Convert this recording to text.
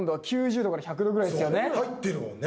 入ってるもんね。